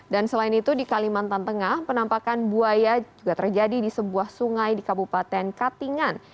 dan selain itu di kalimantan tengah penampakan buaya juga terjadi di sebuah sungai di kabupaten katingan